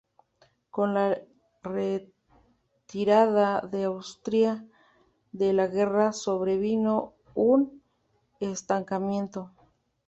Con la retirada de Austria de la guerra sobrevino un estancamiento.